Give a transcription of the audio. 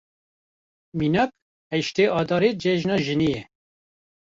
Mînak, heştê Avdarê Cejna Jinê ye.